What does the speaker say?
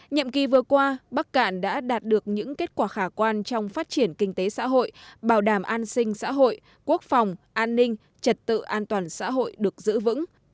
nhiệm kỳ vừa qua bắc cạn đã đạt được những kết quả khả quan trong phát triển kinh tế xã hội bảo đảm an sinh xã hội quốc phòng an ninh trật tự an toàn xã hội được giữ vững